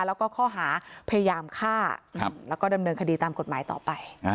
แล้วก็ข้อหาพยายามฆ่าแล้วก็ดำเนินคดีตามกฎหมายต่อไป